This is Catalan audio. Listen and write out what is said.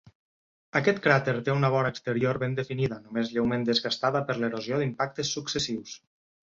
Aquest cràter té una vora exterior ben definida, només lleument desgastada per l'erosió d'impactes successius.